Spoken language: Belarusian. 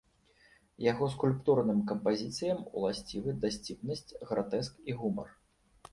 Яго скульптурным кампазіцыям уласцівы дасціпнасць, гратэск і гумар.